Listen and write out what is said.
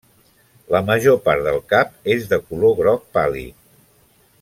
La major part del cap és de color groc pàl·lid.